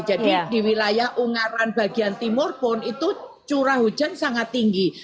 jadi di wilayah ungaran bagian timur pun itu curah hujan sangat tinggi